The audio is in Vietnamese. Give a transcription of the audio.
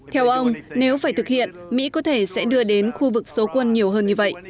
theo ông nếu phải thực hiện mỹ có thể sẽ đưa đến khu vực số quân nhiều hơn như vậy